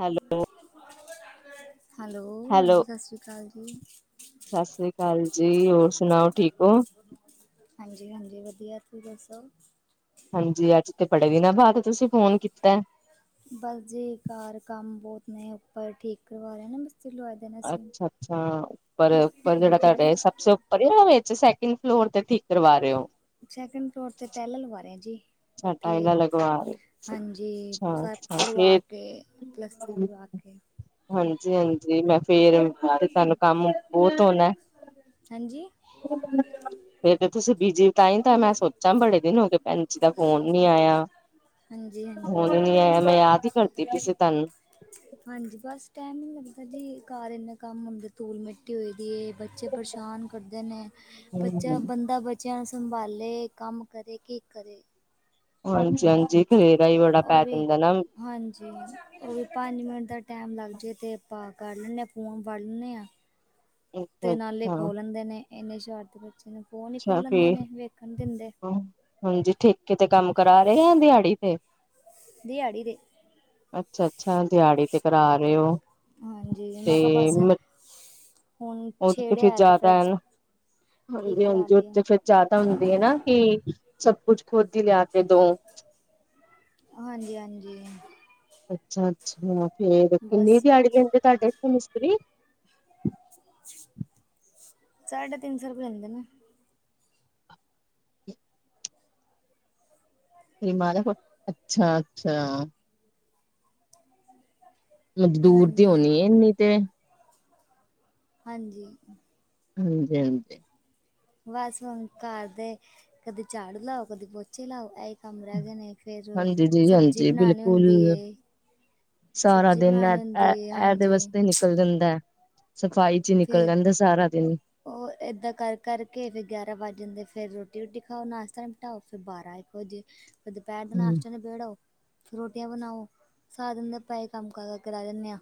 Hello hello ਹਾਂਜੀ ਸਾਸਸ੍ਰੀਕਾਲ ਜੀ। ਸਾਸਸ੍ਰੀਕਾਲ ਜੀ ਹੋਰ ਸੁਨਾਓ ਠੀਕ ਓ? ਹਾਂਜੀ ਹਾਂਜੀ ਵਧੀਆ ਤੁਹੀ ਦੱਸੋ? ਹਾਂਜੀ ਅੱਜ ਤੇ ਬੜੇ ਦਿਨਾਂ ਬਾਅਦ ਤੁਸੀ ਫੋਨ ਕੀਤੈ। ਬਸ ਜੀ ਘਰ ਕੰਮ ਬੌਤ ਨੇ ਉੱਪਰ ਠੀਕ ਕਰਵਾ ਰੇ ਨਾ ਮਿਸਤਰੀ ਦੇਣਾ ਅਸੀਂ ਅੱਛ ਅੱਛਾ ਉੱਪਰ ਉੱਪਰ ਜੇੜਾ ਤਾਡੇ ਸਭ ਸੇ [unintelligible] ਵਿੱਚ ਸੈਕਿੰਡ ਫਲੋਰ ਤੇ ਠੀਕ ਕਰਵਾ ਰੇ ਓ? ਸੈਕਿੰਡ ਫਲੋਰ ਤੇ ਟੈਲਾਂ ਲਵਾ ਰੇ ਆ ਜੀ। ਅੱਛਾ ਉੱਥੇ ਟਾਈਲਾਂ ਲਗਵਾ ਰਹੇ ਹਾਂਜੀ ਅੱਛਾ ਸਬ ਅੱਛਾ ਤੁਡ਼ਵਾ ਫੇਰ ਕੇ ਪਲਸਤਰ ਕਰਵਾ ਕੇ ਕੇ ਹਾਂਜੀ ਹਾਂਜੀ ਮੈਂ ਫੇਰ ਤੇ ਤਾਨੂੰ ਕੰਮ ਬੌਤ ਹੋਨਾ ਏ? ਹਾਂਜੀ ਫੇਰ ਤੇ ਤੁਸੀ ਬੀਜੀ ਤਾਂ ਈ ਤਾ ਮੈਂ ਸੋਚਾ ਬੜੇ ਦਿਨ ਹੋਗੇ ਭੈਣ ਜੀ ਦਾ ਫੋਨ ਨੀ ਆਇਆ ਹਾਂਜੀ ਹਾਂਜੀ ਫੋਨ ਈ ਨੀ ਆਇਆ ਮੈਂ ਯਾਦ ਈ ਕਰਦੀ ਪਈ ਸੀ ਤਾਨੂੰ। ਹਾਂਜੀ ਬਸ ਟੈਮ ਈ ਨੀ ਲੱਗਦਾ ਜੀ ਘਰ ਇੰਨੇ ਕੰਮ ਹੁੰਦੇ ਧੂਲ ਮਿੱਟੀ ਹੋਏ ਦੀ ਏ ਬ ਚੇ ਪਰੇਸ਼ਾਨ ਕਰਦੇ ਨੇ ਬੱਚਾ ਤੁਹਾਨੂੰ ਬੰਦਾ ਬਚ ਚਿਆਂ ਨੂੰ ਸੰਬਾਲੇ ਕੰਮ ਕਰੇ ਕਿ ਕਰੇ? ਹਾਂਜੀ ਹਾਂਜੀ ਖਲੇਰਾ ਈ ਬੜਾ ਉਹ ਪੈ ਵੀ ਜਾਂਦਾ ਨਾ। ਹਾਂਜੀ ਓ ਵੀ ਪੰਜ ਮਿੰਟ ਦਾ ਟੈਮ ਲੱਗ ਜੇ ਤੇ ਆਪਾਂ ਕਰ ਲੈਨੇ ਆਂ ਫੋਨ ਫੜ ਲੈਨੇ ਆਂ। ਤੇ ਨਾਲੇ ਅੱਛਾ ਖੋ ਲੈਂਦੇ ਨੇ ਏਨੇ ਸ਼ਰਾਰਤੀ ਬੱਚੇ ਨੇ ਫੋਨ ਈ ਖੋ ਅੱਛਾ ਲੈਂਦੇ ਫੇਰ ਨੇ ਵੇਖਨ ਨੀ ਦਿੰਦੇ। ਹਾਂਜੀ ਠੇਕੇ ਤੇ ਕੰਮ ਕਰਾ ਰੇ ਆਂ ਦਿਆੜੀ ਤੇ? ਦਿਆੜੀ ਤੇ। ਅੱਛਾ ਅੱਛਾ ਦਿਆੜੀ ਤੇ ਕਰਾ ਰੇ ਓ। ਹਾਂਜੀ ਮੈਂ ਕਿਆ ਬਸ ਹੁਨ ਛੇੜਿਆ ਤੇ ਫੇ ਹਾਂਜੀ ਹਾਂਜੀ ਓ ਤੇ ਫੇਰ ਜਆਦਾ ਹੁੰਦੀ ਐ ਨਾ ਕਿ ਸਬ ਕੁੱਜ ਖੁਦ ਈ ਲਿਆ ਕੇ ਦੋ। ਹਾਂਜੀ ਹਾਂਜੀ। ਅੱਛਾ ਅੱਛਾ ਫੇਰ ਕਿੰਨੀ ਬਸ ਦਿਆੜੀ ਲੈਂਦੇ ਤਾਡੇ ਏਥੇ ਮਿਸਤਰੀ? ਸਾਢੇ ਤਿੰਨ ਸੌ ਰੁਪਏ ਲੈਂਦੇ ਨੇ। [unintelligible] ਅੱਛਾ ਅੱਛਾ। ਮਲਬ ਦੂਰ ਦੀ ਹਾਂਜੀ ਹੋਨੀ ਏ ਇੰਨੀ ਤੇ? ਹਾਂਜੀ। ਹਾਂਜੀ ਹਾਂਜੀ। ਬਸ ਹੁਨ ਘਰ ਦੇ ਕਦੀ ਝਾੜੂ ਲਾਓ, ਕਦੀ ਪੋਚੇ ਲਾਓ ਐ ਈ ਕੰਮ ਰੈ ਹਾਂਜੀ ਗਏ ਨੇ ਫੇਰ ਹਾਂਜੀ ਜੀ ਸਬਜੀ ਹਾਂਜੀ ਬਨਾਣੀ ਬਿਲਕੁਲ ਹੁੰਦੀ ਏ। ਸਾਰਾ ਸਬਜ਼ੀ ਦਿਨ ਐ ਬਣਾਉਣੀ ਐ ਹੁੰਦੀ ਹੈ ਐਦੇ ਹਾਂਜੀ ਵਾਸਤੇ ਨਿਕਲ ਨਿਕਲ ਜਾਂਦੈ ਸਫ਼ਾਈ ਚੀ ਨਿਕਲ ਜਾਂਦੈ ਸਾਰਾ ਦਿਨ। ਔਰ ਏਦਾਂ ਕਰ ਕਰਕੇ ਫੇਰ ਗਿਆਰਾਂ ਵੱਜ ਜਾਂਦੇ ਫੇਰ ਰੋਟੀ ਰੁੱਟੀ ਖਾਓ ਨਾਸ਼ਤਾ ਓ ਫੇਰ ਬਾਰਾ ਇੱਕ ਵਜੇ ਫੇਰ ਦੁਪੇਰ ਦਾ ਹੂੰ, ਨਾਸ਼ਤਾ ਨਬੇੜੋ ਫੇਰ ਰੋਟੀਆਂ ਬਨਾਓ ਸਾਰੇ ਦਿਨ ਦੇ ਪਏ ਕੰਮ ਕਰ ਕਰ ਕੇ ਰੈ ਜਾਨੇ ਆਂ।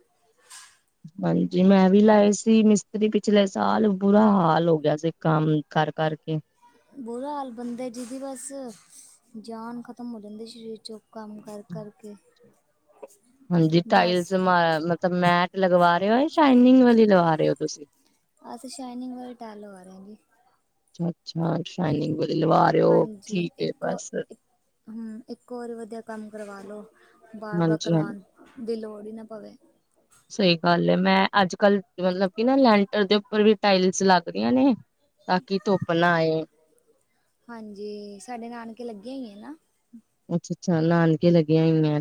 ਹਾਂਜੀ ਮੈਂ ਵੀ ਲਾਏ ਸੀ ਮਿਸਤਰੀ ਪਿਛਲੇ ਸਾਲ ਬੁਰਾ ਹਾਲ ਹੋ ਗਿਆ ਸੀ। ਕੰਮ ਕਰ ਕਰ ਕੇ। ਬੁਰਾ ਹਾਲ ਬੰਦੇ ਜੀ ਦੀ ਬਸ ਜਾਨ ਖਤਮ ਹੋ ਜਾਂਦੀ ਸ਼ਰੀਰ ਚੋ ਕੰਮ ਕਰ ਕਰ ਕੇ। ਹਾਂਜੀ, ਟਾਇਲਸ ਮਤਲਬ ਮੈਟ ਲਗਵਾ ਰਹੇ ਓ, ਯਾ ਸ਼ਾਈਨਿੰਗ ਵਾਲੀ ਲਵਾ ਰਹੇ ਓ ਤੁਸੀਂ? ਅਸੀਂ ਸ਼ਾਈਨਿੰਗ ਵਾਲੀ ਟਾਇਲ ਲਵਾ ਰਹੇ ਆਂ ਜੀ। ਅੱਛਾ-ਅੱਛਾ, ਸ਼ਾਈਨਿੰਗ ਲਵਾ ਰਹੇ ਓ, ਠੀਕ ਏ ਬਸ। ਹੂੰ, ਇੱਕੋ ਵਾਰੀ ਵਧੀਆ ਕੰਮ ਕਰਵਾਲੋ, ਬਾਰ-ਬਾਰ ਹਾਂਜੀ-ਹਾਂਜੀ। ਕਰਵਾਉਣ ਦੀ ਲੋੜ ਈ ਨਾ ਪਵੇ। ਸਹੀ ਗੱਲ ਐ, ਮੈਂ ਅੱਜ-ਕੱਲ ਮਤਲਬ ਕਿ ਨਾ ਲੈਂਟਰ ਦੇ ਉੱਪਰ ਵੀ ਟਾਇਲਸ ਲੱਗ ਰਹੀਆਂ ਨੇ। ਤਾਂ ਕਿ ਧੁੱਪ ਨਾ ਆਏ। ਹਾਂਜੀ, ਸਾਡੇ ਨਾਣਕੇ ਲੱਗੇ ਅਈਆ ਏਨਾ। ਅੱਛਾ-ਅੱਛਾ ਨਾਣ ਲੱਗੀਆਂ ਹੋਈਆਂ,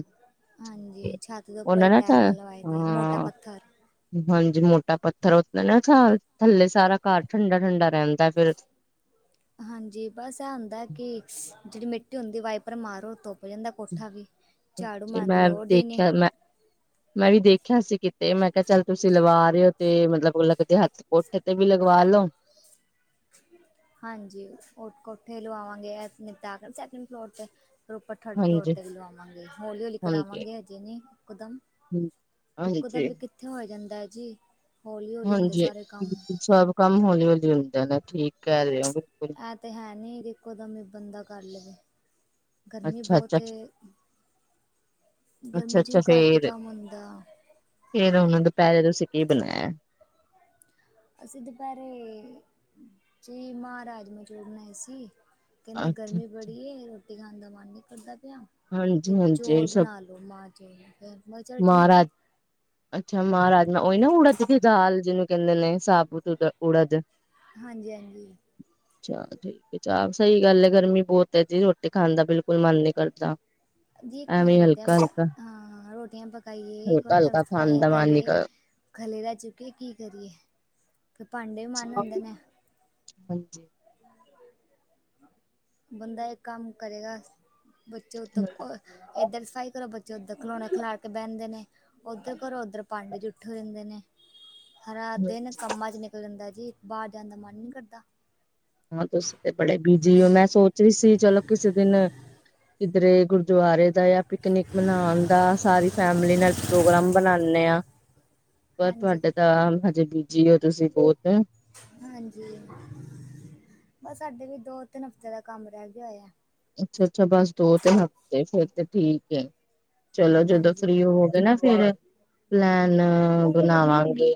ਹਾਂਜੀ ਛੱਤ ਦੇ ਉੱਪਰ ਉਹਨਾਂ ਨਾ ਤਾਂ, ਟੈਲਾਂ ਲਵਾਈ ਦੀ ਮੋਟਾ ਹਾਂ। ਪੱਥਰ ਹਾਂਜੀ, ਮ੍ਹੋਟਾ ਪੱਥਰ ਉਤੇ ਨਾ ਥਾਲ, ਥੱਲੇ ਸਾਰਾ ਘਰ ਠੰਡਾ-ਠੰਡਾ ਰਹਿੰਦਾ ਫੇਰ। ਹਾਂਜੀ, ਬਸ ਆ ਹੁੰਦਾ ਕਿ ਜਿਹੜੀ ਮਿੱਟੀ ਹੁੰਦੀ ਵਾਈਪਰ ਮਾਰੋ ਧੁੱਪ ਹੋ ਜਾਂਦਾ ਕੋਠਾ ਵੀ, ਝਾੜੂ ਮਾਰਨ ਦੀ ਮੈਂ ਲੋੜ ਈ ਨੀ। ਦੇਖਿਆ ਮੈਂ ਮੈਂ ਵੀ ਦੇਖਿਆ ਸੀ ਕਿਤੇ, ਮੈਂ ਕਿਹਾ ਚੱਲ ਤੁਸੀਂ ਲਵਾ ਰਹੇ ਓ ਤੇ ਮਤਲਬ ਲੱਗਦੇ ਕਦੇ ਹੱਥ ਕੋਠੇ ਤੇ ਵੀ ਲਗਵਾ ਲੋੋ। ਹਾਂਜੀ, ਉਹ ਕੋਠੇ ਲਵਾਵਾਂਗੇ ਐ ਨਿਪਟਾਕੇ ਤਾ ਸੈਕਿੰਡ ਫਲੋਰ ਤੇ। ਫਿਰ ਉੱਪਰ ਥਰਡ ਫਲੋਰ ਹਾਂਜੀ ਤੇ ਵੀ ਲਵਾਵਾਂਗੇ, ਹੌਲੀ-ਹੌਲੀ ਹਾਂਜੀ ਕਰਾਵਾਂਗੇ ਹਜੇ ਨੀ ਇਕਦਮ। ਹਾਂਜੀ ਇਕਦਮ ਵੀ ਕਿੱਥੇ ਹੋਇਆ ਜਾਂਦਾ ਜੀ, ਹੌਲੀ-ਹੌਲੀ ਹੁੰਦੇ ਹਾਂਜੀ ਸਾਰੇ ਕੰਮ। ਬਿਲਕੁਲ ਸਭ ਕੰਮ ਹੌਲੀ-ਹੌਲੀ ਹੁੰਦੇ ਨੇ, ਠੀਕ ਕਹਿ ਰਹੇ ਓ ਬਿਲਕੁਲ। ਤੇ ਹੈ ਨੀ, ਦੇਖੋ ਇੱਕੋਦਮ ਹੀ ਬੰਦਾ ਕਰ ਲਵੇ, ਗਰਮੀ ਅੱਛਾ ਅੱਛਾ ਬੋਤ ਏ। ਅੱਛਾ ਗਰਮੀ'ਚ ਅੱਛਾ ਵੀ ਘੱਟ ਈ ਫੇਰ ਕੰਮ ਹੁੰਦਾ। ਫੇਰ ਹੁਨ ਦੁਪਹਿਰੇ ਤੁਸੀਂ ਕੀ ਬਣਾਇਆ? ਅਸੀਂ ਦੁਪਹਿਰੇ ਜ ਮਹ, ਰਾਜਮਾ ਚੋਲ ਬਣਾਏ ਸੀ। ਕਹਿੰਦੇ ਹਾਂਜੀ ਗਰਮੀ ਬੜੀ ਏ, ਰੋਟੀ ਖਾਣ ਦਾ ਮਨ ਨਹੀਂ ਕਰਦਾ ਪਿਆ, ਤੇ ਹਾਂਜੀ ਚੋਲ ਬਣਾ ਲ ਰੋਮਾ ਚੇਹੀਦਾ ਮਾ ਰਾਜ, ਅੱਛਾ ਮਾ ਰਾਜ, ਓਈ ਨਾ ਉੜਦ ਦੀ ਦਾਲ ਜਿਹਨੂੰ ਕਹਿੰਦੇ ਨੇ ਸਾਬ ਤਦ ਉੜਦ ਹਾਂਜੀ ਹਾਂਜੀ ਚੱਲ ਠੀਕ ਏ, ਚ ਸਹੀ ਗੱਲ ਐ, ਗਰਮੀ ਬਹੁਤ ਐ ਜੀ, ਰੋਟੀ ਖਾਣ ਦਾ ਬਿਲਕੁਲ ਮਨ ਨੀ ਕਰਦਾ ਜੀ ਇੱਕ ਪਾਸੇ ਐਵੇਂ ਰੋਟੀਆਂ, ਹਲਕਾ ਹਲਕਾ ਪਕ ਹਾਂ ਰੋਟੀਆਂ ਪ ਕਾਈਏ, ਇੱਕ ਹਲਕਾ ਵਾਰ ਤਰਫ ਹਲਕਾ ਖਾਣ ਸਫ਼ਾਈਆਂ ਦਾ ਮਨ ਨੀ ਕਰੀਏ‌। ਕਰ ਖਲੇ ਦਾ ਚੁੱਕਿਆ ਕੀ ਕਰੀਏ, ਫਿਰ ਭਾਂਡੇ ਵੀ ਮਨ ਹੁੰਦੇ ਹਾਂਜੀ ਨੇ। ਹਾਂਜੀ। ਬੰਦਾ ਇੱਕ ਕੰਮ ਕਰੇਗਾ, ਬੱਚੇ ਉਤੋ ਇੱਧਰ ਸਫ਼ਾਈ ਕਰੋ, ਬੱਚੇ ਉੱਧਰ ਖਲੋਣੇ ਖਿਲਾਰ ਕੇ ਬਹਿੰਦੇ ਨੇ। ਉਧਰ ਕਰੋ, ਉਧਰ ਭਾਂਡੇ ਜੁੱਠੇ ਹੋ ਜਾਂਦੇ ਨੇ। ਹਰਾ ਦਿਨ ਕੰਮਾਂ'ਚ ਨਿਕਲ ਜਾਂਦਾ ਜੀ, ਬਾਹਰ ਜਾਣ ਦਾ ਮਨ ਨੀ ਕਰਦਾ। ਹਾਂ, ਤੁਸੀ ਤੇ ਬੜੇ ਬਿਜੀ ਓ, ਮੈਂ ਸੋਚ ਰਹੀ ਸੀ ਚਲੋ ਕਿਸੇ ਦਿਨ ਕਿਧਰੇ ਗੁਰਦੁਆਰੇ ਦਾ ਯਾ, ਪਿਕਨਿਕ ਮਨਾਉਣ ਦਾ ਸਾਰੀ ਫੈਮਲੀ ਨਾਲ ਪ੍ਰੋਗਰਾਮ ਬਣਾਂਨੇ ਆ, ਪਰ ਹਾਂਜੀ ਤੁਹਾਡੇ ਤਾਂ ਹਜੇ ਬੀਜੀ ਓ ਤੁਸੀਂ ਬਹੁਤ। ਹਾਂਜੀ, ਬ ਸਾਡੇ ਵੀ ਦੋ-ਤਿੰਨ ਹਫ਼ਤੇ ਦਾ ਕੰਮ ਰਹਿ ਗਿਆ ਹੋਇਆ। ਅੱਛਾ-ਅੱਛਾ, ਬਸ ਦੋ-ਤਿੰਨ ਹਫ਼ਤੇ ਫੇਰ ਤੇ ਠੀਕ ਏ। ਚਲੋ, ਜਦੋਂ ਹਾਂਜੀ ਫ੍ਰੀ ਹੋਵੋਗੇ ਨਾ ਫੇਰ ਪਲੈਨ, ਬਣਾਵਾਂਗੇ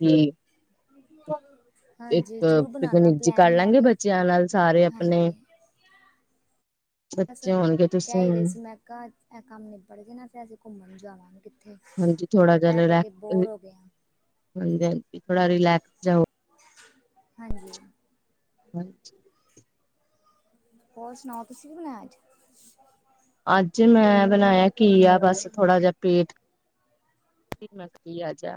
ਕੀ ਇੱਕ, ਹਾਂਜੀ ਜ਼ਰੂਰ ਬਣਾਉਣਾ ਪਿਕਨਿਕ ਜੀ ਪਲੈਨ ਮੈਂ ਕਰਲਾਂਗੇ ਵੀ ਬੱਚਿਆਂ ਨਾਲ, ਸਾਰੇ ਅਪਨੇ ਹਾਂਜੀ ਬੱਸ ਤੁਸੀਂ ਕਹਿ ਹੀ ਰਹੇ ਸੀ ਮੈਂ ਕਿਹਾ, ਐ ਕੰਮ ਨਿਬੜਜੇ ਨਾ ਫਿਰ ਅਸੀਂ ਘੁੰਮਣ ਜਾਵਾਂਗ ਥੇ, ਹਾਂਜੀ ਥੋੜਾ ਘਰ ਬਹਿ-ਬਹਿਕੇ ਬੋਰ ਹੋ ਗਏ ਆਂ। ਹ ਬੜਾ ਰਿਲੈਕਸ ਜਾ। ਹਾਂਜੀ ਹਾਂ। ਹੋਰ, ਸੁਣਾਓ ਤੁਸੀਂ ਕੀ ਬਣ ਅੱਜ ਅੱਜ ਮੈਂ ਬਣਾਇਆ, ਘੀਆ ਬਸ ਥੋੜਾ ਜਿਹਾ ਪੇਟ ਮ ਆ ਜਾ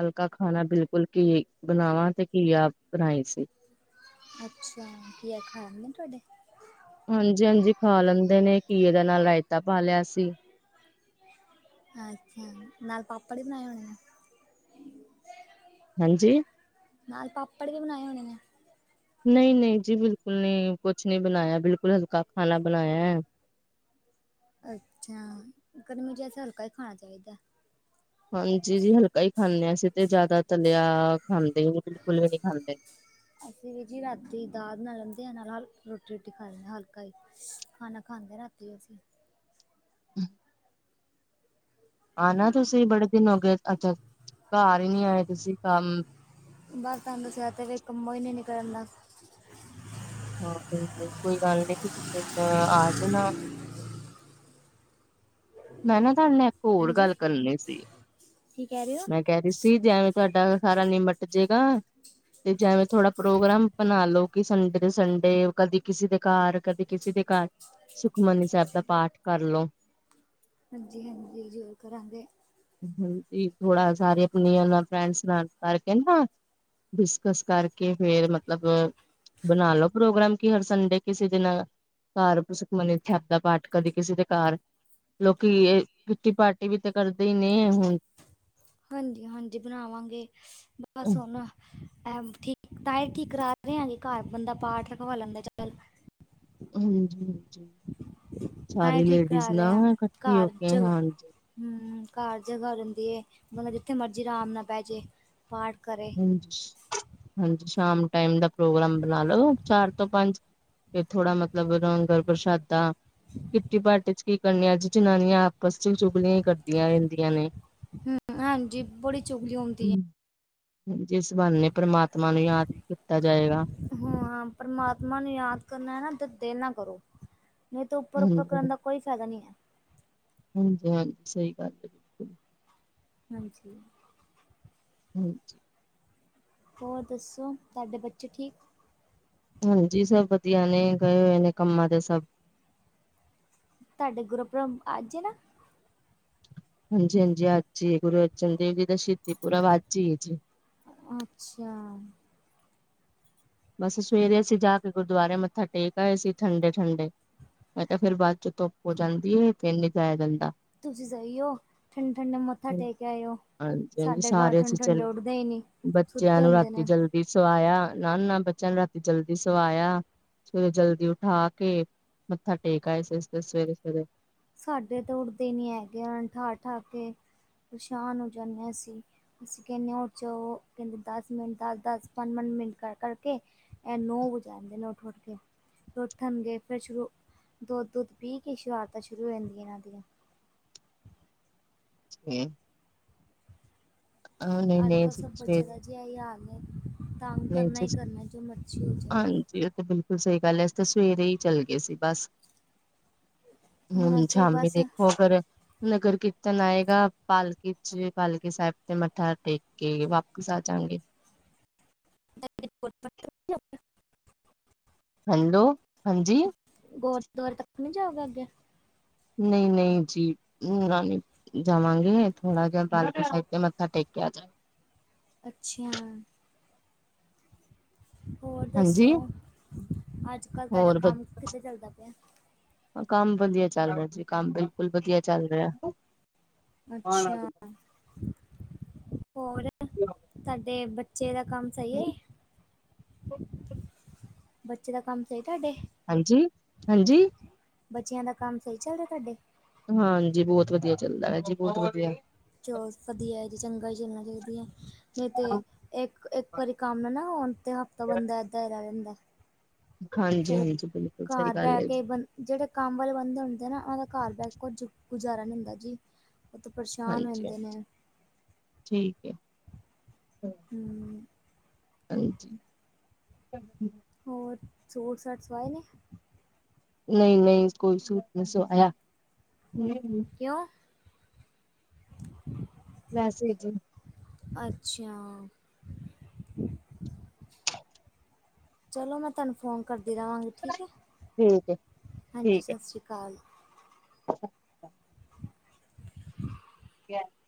ਹਲਕਾ ਖਾਣਾ ਬਿਲਕੁਲ ਕੀ ਬਣਾਵਾਂ ਤੇ ਕੀ ਆਪ ਬਣਾਈ ਸੀ। ਅੱਛਾ! ਕੀ ਆ ਖਾਣ ਨੇ ਤੁਹਾਡੇ। ਹਾਂਜੀ! ਹਾਂਜੀ! ਖਾ ਲੈਂਦੇ ਨੇ ਕੀਏ ਦੇ ਨਾਲ ਰਾਇਤਾ ਪਾ ਲਿਆ ਸੀ। ਅੱਛਾ! ਨਾਲ ਪਾਪੜ ਵੀ ਬਣਾਏ ਹੋਣੇ ਆਂ। ਹਾਂਜੀ! ਨਾਲ ਪਾਪੜ ਵੀ ਬਣਾਏ ਹੋਣੇ ਨੇ। ਨਹੀਂ-ਨਹੀਂ ਜੀ, ਬਿਲਕੁਲ ਨਹੀਂ, ਕੁਛ ਨਹੀਂ ਬਣਾਇਆ। ਬਿਲਕੁਲ ਹਲਕਾ ਖਾਣਾ ਬਣਾਇਆ ਹੈ। ਅੱਛਾ! ਗਰਮੀ 'ਚ ਵੈਸੇ ਹਲਕਾ ਹੀ ਖਾਣਾ ਚਾਹੀਦਾ। ਹਾਂਜੀ! ਜੀ ਹਲਕਾ ਹੀ ਖਾਂਦੇ ਹਾਂ। ਅਸੀਂ ਤੇ ਜ਼ਿਆਦਾ ਤਲਿਆ ਖਾਂਦੇ ਨੀ, ਬਿਲਕੁਲ ਵੀ ਨਹੀਂ ਖਾਂਦੇ। ਅਸੀਂ ਵੀ ਜੀ ਰਾਤੀ ਦਾਲ ਬਣਾ ਲੈਂਦੇ ਹਾਂ। ਨਾਲ ਹਲ ਰੋਟੀ-ਰੋਟੀ ਖਾ ਲੈਣੇ ਹਾਂ। ਹਲਕਾ ਜਾ। ਖਾਣਾ ਖਾਂਦੇ ਰਾਤੀ ਅਸੀਂ। ਹੂੰ! ਆਨਾ ਤੁਸੀਂ ਬੜੇ ਦਿਨ ਹੋ ਗਏ। ਅੱਛਾ, ਘਰ ਹੀ ਨਹੀਂ ਆਏ ਤੁਸੀਂ। ਬਸ ਤੁਹਾਨੂੰ ਦਸਿਆ ਤੇ ਕੰਮੋ ਹੀ ਨਹੀਂ ਨਿਕਲਿਆ ਜਾਂਦਾ। ਹਾਂ। ਨਹੀਂ -ਨਹੀਂ ਕੋਈ ਗੱਲ ਨਹੀਂ ਤੁਸੀਂ ਜਦ ਆ ਜਾਣਾ। ਮੈਂ ਨਾ ਤੁਹਾਡੇ ਨਾਲ ਇੱਕ ਹੋਰ ਹਾਂਜੀ ਗੱਲ ਕਰਨੀ ਸੀ ਕੀ ਕਹਿ ਰਹੇ ਹੋ? ਮੈਂ। ਕਹਿ ਰਹੀ ਸੀ। ਜਿਵੇਂ ਤੁਹਾਡਾ ਸਾਰਾ ਨੀਮਟ ਜੇਗਾ। ਤੇ ਜਿਵੇਂ ਥੋੜਾ ਪ੍ਰੋਗਰਾਮ ਬਣਾ ਲਓ। ਕਿ ਸੰਡੇ ਦੇ ਸੰਡੇ ਕਦੀ ਕਿਸੇ ਦੇ ਘਰ ਕਦੀ ਕਿਸੇ ਦੇ। ਘਰ ਸੁਖਮਨੀ ਸਾਹਿਬ ਦਾ ਪਾਠ ਕਰਲੋ। ਹਾਂਜੀ! ਹਾਂਜੀ! ਜ਼ਰੂਰ ਕਰਾਂਗੇ। ਹਾਂਜੀ! ਥੋੜ੍ਹਾ ਸਾਰੇ ਆਪਣੀਆਂ ਨਾ ਫਰੈਂਡਸ ਨਾਲ ਕਰਕੇ ਨਾ। ਡਿਸਕਸ ਕਰਕੇ ਫੇਰ ਮਤਲਬ। ਬਣਾ ਲਓ ਪ੍ਰੋਗਰਾਮ, ਕਿ ਹਰ ਸੰਡੇ ਕਿਸੇ ਦਿਨ। ਘਰ, ਸੁਖਮਨੀ ਸਾਹਿਬ ਦਾ ਪਾਠ ਕਦੀ ਕਿਸੇ ਦੇ ਘਰ। ਲੋਕੀਂ, ਇਹ ਕਿੱਟੀ ਪਾਰਟੀ ਵੀ ਤੇ ਕਰਦੇ ਹੀ ਨੇ ਹੁਣ। ਹਾਂਜੀ- ਹਾਂਜੀ ਬਣਾਵਾਂਗੇ। ਬੱਸ ਉਹ ਨਾ ਐ ਠੀਕ। ਟਾਈਟੀ ਕੀ ਕਰਾ ਦਿਆਂ ਗੇ ਘਰ ਬੰਦਾ ਪਾਠ ਰਖਵਾ ਲੈਂਦਾ ਹੈ। ਅੱਜ-ਕੱਲ। ਹਾਂਜੀ-ਹਾਂਜੀ, ਤਾਂ ਹੀ ਸਾਰੀ ਠੀਕ ਲੇਡੀਜ਼ ਕਰਾ ਨਾ ਰਹੇ ਆ ਇਕੱਠੀ ਹੋ ਘਰ ਕੇ ਜਗ ਹਾਂਜੀ। ਹੂੰ! ਘਰ ਜਗ੍ਹਾ ਰਹਿੰਦੀ ਹੈ। ਬੰਦਾ ਜਿੱਥੇ ਮਰਜ਼ੀ ਆਰਾਮ ਨਾਲ ਪੈ ਜੇ ਪਾਠ ਕਰੇ। ਹਾਂਜੀ! ਸ਼ਾਮ ਟਾਈਮ ਦਾ ਪ੍ਰੋਗਰਾਮ ਬਣਾ ਲੋ ਚਾਰ। ਤੋਂ ਪੰਜ ਫੇਰ ਥੋੜ੍ਹਾ ਮਤਲਬ ਲੰਗਰ ਪ੍ਰਸ਼ਾਦਾ ਕਿਟੀ ਪਾਰਟੀ 'ਚ। ਕੀ ਕਰਨਿਆ ਇਹ 'ਚ ਜਨਾਨੀਆਂ ਆਪਸ 'ਚ ਚੁਗਲੀਆਂ ਹੀ ਕਰਦੀਆਂ ਰਹਿੰਦੀਆਂ ਨੇ। ਹੂੰ! ਹਾਂਜੀ! ਬੜੀ ਚੁਗਲੀ ਹੁੰਦੀ ਹੈ। ਜਿਸ ਬਹਾਨੇ ਪਰਮਾਤਮਾ ਨੂੰ ਯਾਦ ਹੀ ਕੀਤਾ ਜਾਏਗਾ। ਹੂੰ! ਹਾਂ! ਪ੍ਰਮਾਤਮਾ ਨੂੰ ਯਾਦ ਕਰਨਾ ਹੈ ਨਾ। ਤਾਂ ਦਿਲ ਨਾਲ ਕਰੋ। ਨਹੀਂ ਤਾਂ ਉੱਪਰ- ਉੱਪਰ ਹਾਂਜੀ ਕਰਨ ਦਾ ਕੋਈ ਫ਼ਾਇਦਾ ਨਹੀਂ ਹੈ। ਹਾਂਜੀ! ਹਾਂਜੀ! ਸਹੀ ਗੱਲ ਹੈ। ਬਿਲਕੁਲ ਹਾਂਜੀ! ਹਾਂਜੀ! ਹੋਰ ਦੱਸੋ ਤੁਹਾਡੇ ਬੱਚੇ ਠੀਕ? ਹਾਂਜੀ ਸਭ ਵਧੀਆ ਨੇ ਗਏ ਹੋਏ ਨੇ ਕੰਮਾਂ ਤੇ ਸਭ। ਤੁਹਾਡੇ ਗੁਰਪਰਮ ਅੱਜ ਏ ਨਾ। ਹਾਂਜੀ ਹਾਂਜੀ ਅੱਜ ਹੀ ਐ ਗੁਰੂ ਅਰਜਨ ਦੇਵ ਜੀ ਦਾ ਸ਼ਹੀਦੀ ਪੂਰਬ ਅੱਜ ਹੀ ਏ ਜੀ। ਅੱਛਿਆ ਬਸ ਸਵੇਰੇ ਅਸੀਂ ਜਾ ਕੇ ਗੁਰਦੁਆਰੇ ਮੱਥਾ ਟੇਕ ਆਏ ਸੀ ਠੰਡੇ-ਠੰਡੇ। ਮੈਂ ਕਿਹਾ ਫੇਰ ਬਾਅਦ ਚੋ ਧੁੱਪ ਹੋ ਜਾਂਦੀ ਏ ਫੇਰ ਨੀ ਜਾਇਆ ਜਾਂਦਾ। ਤੁਸੀਂ ਸਹੀਓ ਠੰਡੇ-ਠੰਡੇ ਮੱਥਾ ਟੇਕ ਆਏ ਹੋ। ਹਾਂਜੀ ਹਾਂਜੀ ਸਾਡੇ ਘਰ ਸਾਰੇ ਅਸੀਂ ਠੰਡੇ-ਠੰਡੇ ਚੱਲ ਉੱਠਦੇ ਹੀ ਨੀਂ ਸੁੱਤੇ ਹੁੰਦੇ ਨੇ। ਫੇਰ ਸਵਾਇਆ ਨਾ ਨਾ ਬੱਚਿਆਂ ਨੂੰ ਰਾਤੀਂ ਜਲਦੀ ਸਵਾਇਆ। ਸਵੇਰੇ ਜਲਦੀ ਉਠਾ ਕੇ ਮੱਥਾ ਟੇਕ ਆਏ ਸੀ ਅਸੀਂ ਤਾਂ ਸਵੇਰੇ-ਸਵੇਰੇ। ਸਾਡੇ ਤਾਂ ਉੱਠਦੇ ਨੀ ਹੈਗੇ ਆ ਠਾ ਠਾ ਕੇ ਪਰੇਸ਼ਾਨ ਹੋ ਜਾਣੇ ਆ ਅਸੀਂ। ਅਸੀਂ ਕਹਿਣੇ ਆ ਉੱਠ ਜਾਓ ਉਹ ਕਹਿੰਦੇ ਦਸ ਮਿੰਟ ਦਸ-ਦਸ ਪੰਜ-ਪੰਜ ਮਿੰਟ ਕਰ ਕਰ ਕੇ ਐਹ ਨੌਂ ਵਜਾ ਦਿੰਦੇ ਨੇ ਉੱਠ ਉੱਠ ਕੇ ਫੇਰ ਉੱਠਣਗੇ ਫਿਰ ਸ਼ੁਰੂ ਦੁੱਧ ਦੁੱਧ ਪੀ ਕੇ ਸਰਾਰਤਾਂ ਸ਼ੁਰੂ ਹੋ ਜਾਂਦੀਆਂ ਇਹਨਾਂ ਦੀਆਂ ਹੂੰ ਨਹੀਂ ਅੱਜ ਨਹੀਂ ਕੱਲ ਅਸੀਂ ਸਭ ਬੱਚਿਆਂ ਦਾ ਸਵੇਰੇ ਜੀ ਏਹੀ ਹਾਲ ਏ ਤੰਗ ਨਹੀਂ ਕਰਨਾ ਹੀ ਕਰਨਾ ਜੋ ਮਰਜੀ ਹੋਜੇ ਜੀ ਏਹ ਤਾਂ ਬਿਲਕੁਲ ਸਹੀ ਗੱਲ ਐ ਅਸੀਂ ਤਾ ਸਵੇਰੇ ਹੀ ਚੱਲ ਗਏ ਸੀ ਬਸ ਹੁਣ ਅਸੀਂ ਸ਼ਾਮੀ ਬਸ ਦੇਖੋ ਅਗਰ ਨਗਰ ਕੀਰਤਨ ਆਏਗਾ ਪਾਲਕੀ ਚ ਪਾਲਕੀ ਸਾਹਿਬ ਤੇ ਮੱਥਾ ਟੇਕ ਕੇ ਵਾਪਿਸ ਆ ਜਾਗੇ [inaudible] ਹੈਲੋ ਹਾਂਜੀ ਗੂਰਦੁਆਰੇ ਤੱਕ ਨਹੀਂ ਜਾਊਗਾ ਅੱਗੇ ਨਈ ਨਈ ਜੀ [unintelligible] ਜਾਵਾਂਗੇ ਥੋੜਾ ਜਿਹਾ ਪਾਲਕੀ ਸਾਹਿਬ ਤੇ ਮੱਥਾ ਟੇਕਿਆ ਜਾਏ ਅੱਛਿਆ, ਹੋਰ ਹਾਂਜੀ ਦੱਸੋ? ਅੱਜ ਕੱਲ੍ਹ ਤੁਹਾਡਾ ਹੋਰ ਵ ਕੰਮ ਕਿਤੇ ਚੱਲਦਾ ਪਿਆ ਕੰਮ ਵਧੀਆ ਚੱਲ ਰਿਹਾ ਜੀ ਕੰਮ ਬਿਲਕੁਲ ਵਧੀਆ ਚੱਲ ਰਿਹਾ ਅੱਛਿਆ, ਹੋਰ ਤੁਹਾਡੇ ਬੱਚੇ ਦਾ ਕੰਮ ਸਹੀ ਏ ਬੱਚੇ ਦਾ ਕੰਮ ਸਹੀ ਤੁਹਾਡੇ ਹਾਂਜੀ, ਹਾਂਜੀ ਬੱਚਿਆਂ ਦਾ ਕੰਮ ਸਹੀ ਚੱਲ ਰਿਹਾ ਤੁਹਾਡੇ? ਹਾਂਜੀ ਬਹੁਤ ਵਧੀਆ ਚੱਲਦਾ ਏ ਜੀ ਬਹੁਤ ਵਧੀਆ ਚਲੋ ਵਧੀਆ ਏ ਜੀ ਚੰਗਾ ਹੀ ਚੱਲਣਾ ਚਾਹੀਦੀ ਐ ਨਹੀਂ ਤੇ ਇੱਕ ਇੱਕ ਵਾਰੀ ਕੰਮ ਨਾ ਹੋਣ ਤੇ ਹਫ਼ਤਾ ਬੰਦਾ ਏਦਾਂ ਹੀ ਰਹਿ ਜਾਂਦਾ ਹਾਂਜੀ ਫੇਰ, ਹਾਂਜੀ ਬਿਲਕੁਲ ਸਹੀ ਘਰ ਗੱਲ ਬਹਿ ਹੈ ਕੇ ਜੀ ਬੰ ਜਿਹੜੇ ਕੰਮ ਵਾਲੇ ਬੰਦੇ ਹੁੰਦੇ ਨਾ ਉਹਨਾਂ ਦਾ ਘਰ ਬੈ ਕਝ ਗੁਜ਼ਾਰਾ ਨੀ ਹੁੰਦਾ ਜੀ ਉਹ ਤਾਂ ਪਰੇਸ਼ਾਨ ਹੋ ਹਾਂਜੀ, ਜਾਂਦੇ ਹਾਂਜੀ ਨੇ ਠੀਕ ਐ ਹੂੰ ਹਾਂਜੀ [unintelligible] ਹੋਰ ਸੂਟ ਸਾਟ ਸਵਾਏ ਨੇ? ਨਹੀਂ ਨਹੀਂ ਕੋਈ ਸੂਟ ਨਹੀਂ ਸਵਾਇਆ ਕਿਉਂ ਵੈਸੇ ਹੀ ਜੀ। ਅੱਛਿਆ ਚਲੋ ਮੈਂ ਤੁਆਨੂੰ ਫੋਨ ਕਰਦੀ ਰਾਂਗੀ, ਠੀਕ ਐ? ਠੀਕ ਹੈ ਹਾਂਜੀ, ਸ ਸ਼੍ਰੀ ਕਾਲ ਅੱ- ਕਿਐ [inaudible]